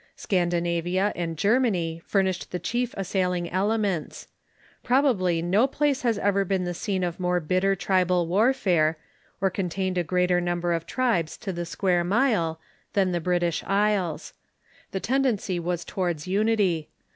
Scandinavia and Germany furnished the chief assail ing elements. Probably no place has ever been the scene of more bitter tribal warfare, or contained a greater number of tribes to the square mile, than the British Isles. The ten dency was towards unity.